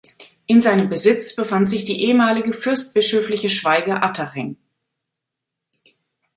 In seinem Besitz befand sich die ehemalige fürstbischöfliche Schwaige Attaching.